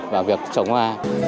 và việc trồng hoa